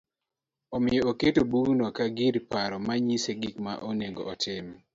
Omiyo oketo bugno ka gir paro ma nyise gik ma onego otim